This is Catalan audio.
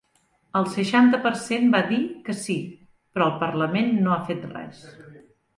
El seixanta per cent va dir que sí, però el parlament no ha fet res.